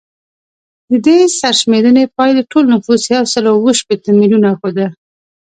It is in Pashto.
د دې سرشمېرنې پایلې ټول نفوس یو سل اووه شپیته میلیونه ښوده